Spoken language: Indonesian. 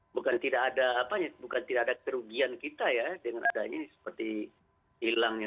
bukan tidak ada apanya bukan tidak ada kerugian kita ya dengan adanya seperti hilangnya